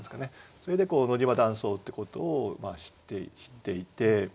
それで野島断層ってことを知っていて。